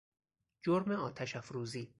جرم آتش افروزی